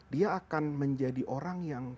dia akan menjadi orang yang